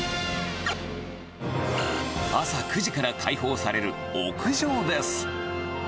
朝９時から開放される屋上です。